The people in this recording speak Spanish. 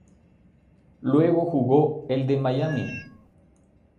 Luego jugó el de Miami.